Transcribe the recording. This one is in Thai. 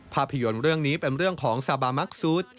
ภาพยนตร์เรื่องนี้เป็นเรื่องของซาบามักซูด